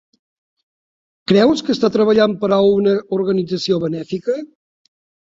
Creus que està treballant per a una organització benèfica?